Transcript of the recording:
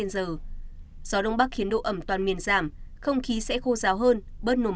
gió đông bắc khiến độ ẩm toàn miền giảm không khí sẽ khô ráo hơn bớt nồm ẩm